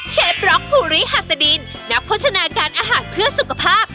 เชฟร็อกภูริฮัศดินนักโภชนาการอาหารเพื่อสุขภาพ